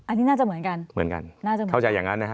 อันนี้น่าจะเหมือนกันเหมือนกันน่าจะเข้าใจอย่างนั้นนะฮะ